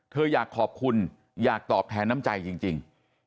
อยากขอบคุณอยากตอบแทนน้ำใจจริง